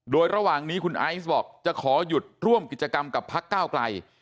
โดยระหว่างนี้คุณไอซ์บอกจะขอหยุดร่วมกิจกรรมกับพักก้าวไกล